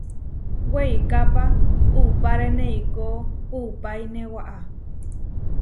Weikápa uʼpárene eikó uʼpáine waʼá.